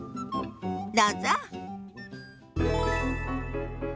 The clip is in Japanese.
どうぞ。